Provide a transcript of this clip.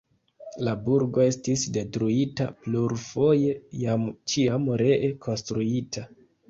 La burgo estis detruita plurfoje kaj ĉiam ree konstruita.